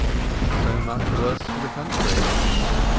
"So much the worse for the county."